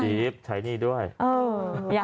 จิ๊บใช้หนี้ด้วย